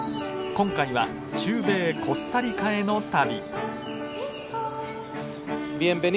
今回は中米コスタリカへの旅。